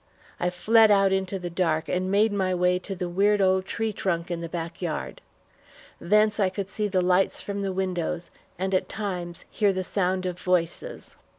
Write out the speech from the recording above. I fled out into the dark and made my way to the weird old tree trunk in the back yard. Thence, I could see the lights from the windows, and at times hear the sound of voices.